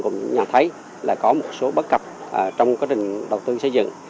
cũng nhận thấy là có một số bất cập trong quá trình đầu tư xây dựng